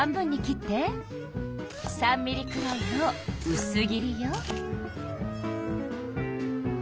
３ミリくらいのうす切りよ。